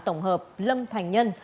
tổng hợp lâm thành nhân